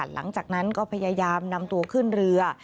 หลังจากนั้นก็พยายามนำตัวขึ้นเรือ